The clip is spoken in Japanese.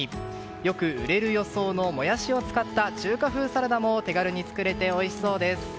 よく売れる予想のモヤシを使った中華風サラダも手軽に作れておいしそうです！